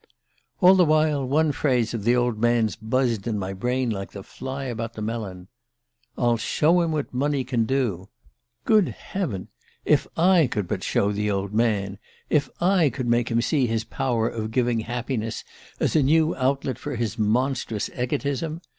"All the while one phrase of the old man's buzzed in my brain like the fly about the melon. 'I'll show him what money can do!' Good heaven! If I could but show the old man! If I could make him see his power of giving happiness as a new outlet for his monstrous egotism!